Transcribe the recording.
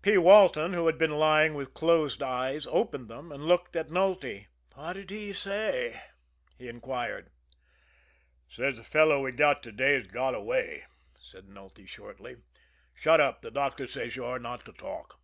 P. Walton, who had been lying with closed eyes, opened them, and looked at Nulty. "What did he say?" he inquired. "Says the fellow we got to day has got away," said Nulty shortly. "Shut up the doctor says you're not to talk."